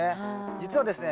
実はですね